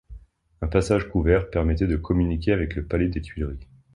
Un passage couvert permettait de communiquer avec le palais des Tuileries.